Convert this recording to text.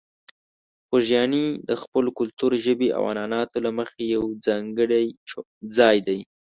خوږیاڼي د خپل کلتور، ژبې او عنعناتو له مخې یو ځانګړی ځای دی.